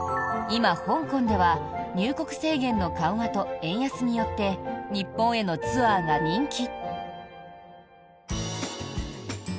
今、香港では入国制限の緩和と円安によって日本へのツアーが人気！